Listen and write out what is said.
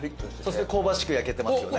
そして香ばしく焼けてますよね。